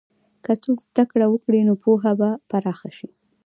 که څوک زده کړه وکړي، نو پوهه به پراخه شي.